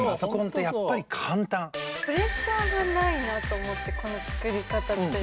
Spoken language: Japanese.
プレッシャーがないなと思ってこの作り方って。